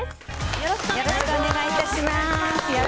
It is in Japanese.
よろしくお願いします。